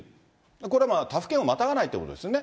これは他府県をまたがないってことですよね。